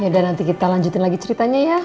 yaudah nanti kita lanjutin lagi ceritanya ya